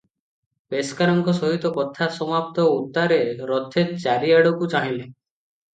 ପେସ୍କାରଙ୍କ ସହିତ କଥା ସମାପ୍ତ ଉତ୍ତାରେ ରଥେ ଚାରିଆଡ଼କୁ ଚାହିଁଲେ ।